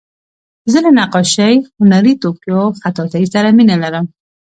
زه له نقاشۍ، هنري توکیو، خطاطۍ سره مینه لرم.